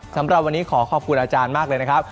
สำหรับวันนี้ขอขอบคุณอาจารย์มากเลยนะครับ